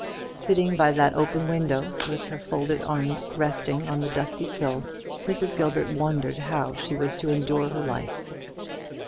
Sitting by that open window, with her folded arms resting on the dusty sill, Mrs. Gilbert wondered how she was to endure her life.